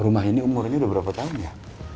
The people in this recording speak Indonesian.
rumah ini umurnya udah berapa tahun ya